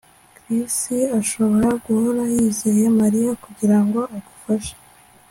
Chris ashobora guhora yizeye Mariya kugirango agufashe